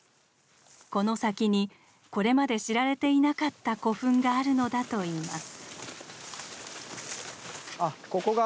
この先にこれまで知られていなかった古墳があるのだといいます。